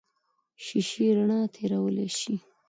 شیشې رڼا تېرولی شي.